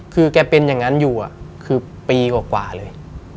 คือแกเป็นอย่างนั้นอยู่คือปีกว่าเลย